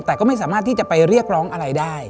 แต่ก็ไม่สามารถที่จะไปเรียกร้องอะไรได้